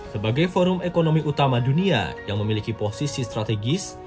sebagai forum ekonomi utama dunia yang memiliki posisi strategis